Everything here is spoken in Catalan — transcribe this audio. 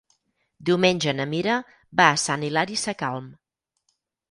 Diumenge na Mira va a Sant Hilari Sacalm.